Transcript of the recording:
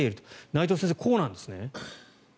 内藤先生、こうなんですね。